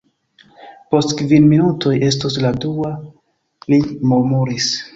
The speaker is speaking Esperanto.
Post kvin minutoj estos la dua, li murmuris.